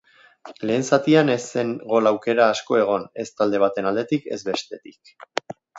Lehen zatian ez zen gol aukera asko egon ez talde baten aldetik ezbestetik.